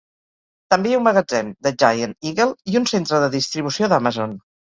També hi ha un magatzem de Giant Eagle i un centre de distribució d'Amazon.